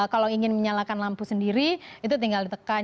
kalau ingin menyalakan lampu sendiri itu tinggal ditekan